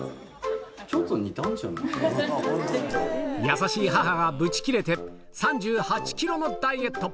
優しい母がブチ切れて３８ｋｇのダイエット！